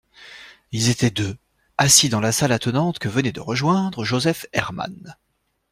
Ils étaient deux, assis dans la salle attenante que venait de rejoindre Joseph Herman.